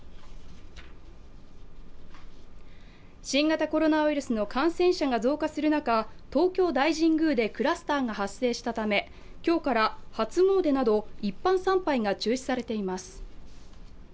新型コロナウイルスの感染者が増加する中、東京大神宮でクラスターが発生したため今日から初詣など一般参拝が中止されています。